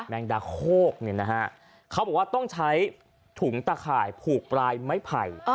งดาโคกเนี่ยนะฮะเขาบอกว่าต้องใช้ถุงตะข่ายผูกปลายไม้ไผ่